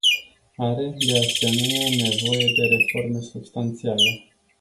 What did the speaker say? Are, de asemenea, nevoie de reforme substanțiale.